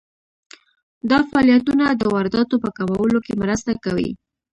دا فعالیتونه د وارداتو په کمولو کې مرسته کوي.